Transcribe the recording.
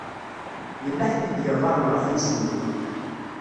Yella ḥedd i d-yeɣɣaren ɣef yisem-iw.